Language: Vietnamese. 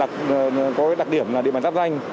có đặc điểm là địa bàn tác danh